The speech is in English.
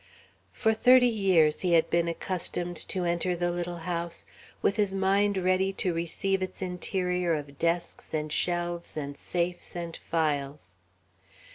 For thirty years he had been accustomed to enter the little house with his mind ready to receive its interior of desks and shelves and safes and files.